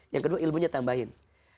yang kedua ilmunya tambahin